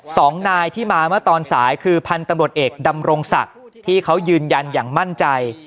สองนายที่มาเมื่อตอนสายคือพันธุ์ตำรวจเอกดำรงศักดิ์ที่เขายืนยันอย่างมั่นใจ